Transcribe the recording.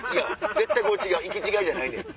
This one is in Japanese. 絶対これ違う行き違いじゃないねん。